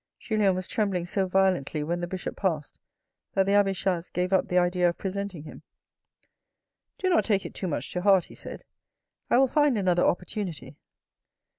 Julien was trembling so violently when the Bishop passed, that the abbe Chas gave up the idea of presenting him. " Do not take it too much to heart," he said. " I will find another opportunity."